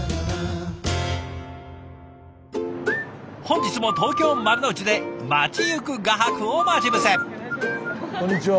本日も東京・丸の内で街行く画伯を待ち伏せ。